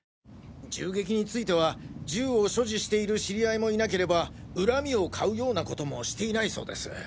銃撃については銃を所持している知り合いもいなければ恨みを買うようなこともしていないそうです。